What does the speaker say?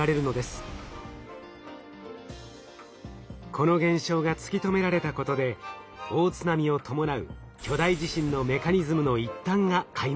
この現象が突き止められたことで大津波を伴う巨大地震のメカニズムの一端が解明されました。